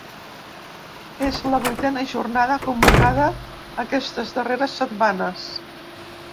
És la vuitena jornada convocada aquestes darreres setmanes.